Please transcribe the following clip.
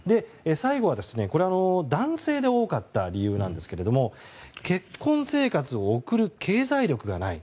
最後はこれは男性で多かった理由なんですけれど結婚生活を送る経済力がない。